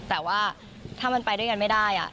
แต่ว่าถ้ามันไปด้วยกันไม่ได้